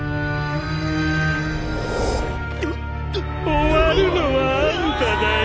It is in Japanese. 終わるのはアンタだよ